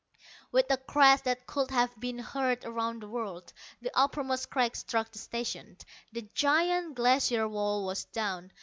With a crash that could have been heard around the world, the uppermost crag struck the Station. The giant Glacier wall was down.